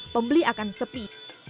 pembeli akan sepi